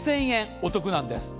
お得なんです。